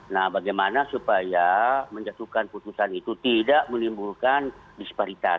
nah bagaimana supaya menjatuhkan putusan itu tidak menimbulkan disparitas